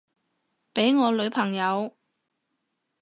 畀我女朋友